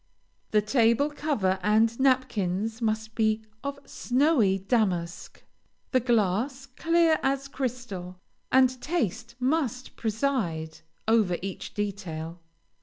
The table cover and napkins must be of snowy damask, the glass clear as crystal, and taste must preside over each detail.